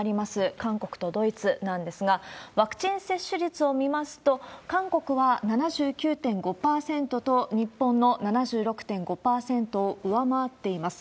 韓国とドイツなんですが、ワクチン接種率を見ますと、韓国は７９．５％と、日本の７６．５％を上回っています。